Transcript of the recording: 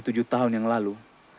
tujuh tahun yang lalu